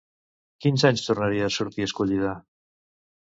Quins anys tornaria a sortir escollida?